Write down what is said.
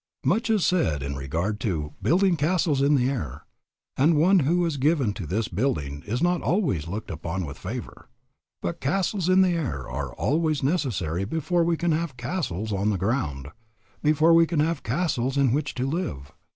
Much is said in regard to "building castles in the air," and one who is given to this building is not always looked upon with favor. But castles in the air are always necessary before we can have castles on the ground, before we can have castles in which to live.